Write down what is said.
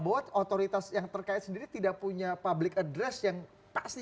bahwa otoritas yang terkait sendiri tidak punya public address yang pasti